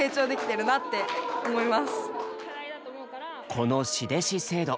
この「師弟子制度」。